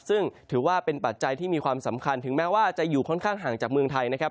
ซึ่งถือว่าเป็นปัจจัยที่มีความสำคัญถึงแม้ว่าจะอยู่ค่อนข้างห่างจากเมืองไทยนะครับ